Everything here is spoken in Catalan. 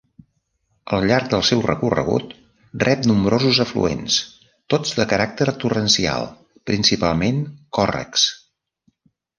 Al llarg del seu recorregut rep nombrosos afluents, tots de caràcter torrencial, principalment còrrecs.